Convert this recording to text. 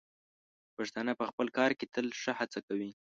پښتانه په خپل کار کې تل ښه هڅه کوي.